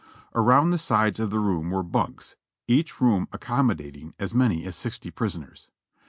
Around the sides of the room were bunks, each room accommodating as many as sixty prisoners.